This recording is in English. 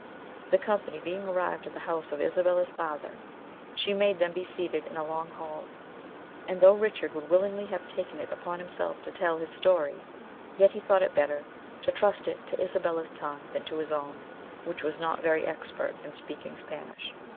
The company being arrived at the house of Isabella's father, she made them be seated in a long hall, and though Richard would willingly have taken it upon himself to tell his story, yet he thought it better to trust it to Isabella's tongue than to his own, which was not very expert in speaking Spanish.